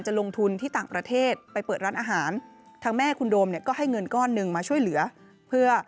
จะลงทุนที่ต่างประเทศไปเปิดร้านอาหารทางแม่ขุณโดมก็ให้เงินก้อนนึงมาช่วยเหลือ